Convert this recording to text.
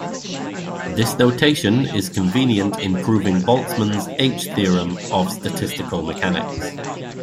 This notation is convenient in proving Boltzmann's H-theorem of statistical mechanics.